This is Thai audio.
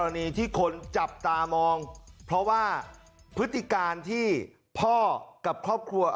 อันนี้ที่คนจับตามองเพราะว่าพฤติการที่พ่อกับครอบครัว